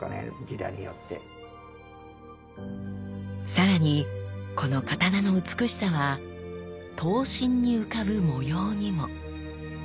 さらにこの刀の美しさは刀身に浮かぶ模様にも。